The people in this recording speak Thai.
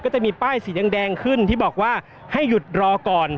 จะมีป้ายสีแดงขึ้นที่บอกว่าให้หยุดรอก่อน